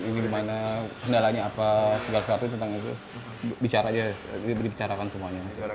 ini gimana kendalanya apa segala sesuatu tentang itu bicara aja dibicarakan semuanya